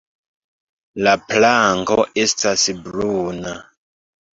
La planko estas bruna.